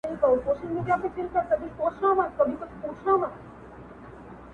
نوره به دي زه له ياده وباسم.